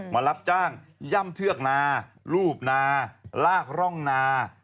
มารับจ้างย่ำเทือกนารูปนาลากร่องนา